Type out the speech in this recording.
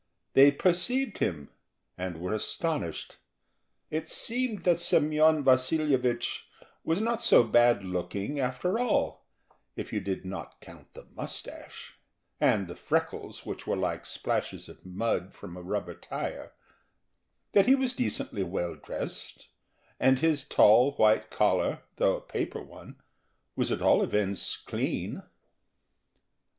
They perceived him, and were astonished. It seemed that Semyon Vasilyevich was not so bad looking after all, if you did not count the moustache, and the freckles which were like splashes of mud from a rubber tyre, that he was decently well dressed, and his tall white collar, though a paper one, was at all events clean.